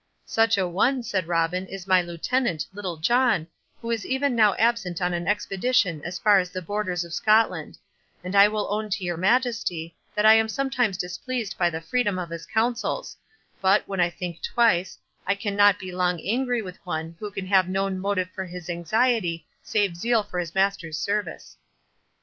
"Such a one," said Robin, "is my Lieutenant, Little John, who is even now absent on an expedition as far as the borders of Scotland; and I will own to your Majesty, that I am sometimes displeased by the freedom of his councils—but, when I think twice, I cannot be long angry with one who can have no motive for his anxiety save zeal for his master's service."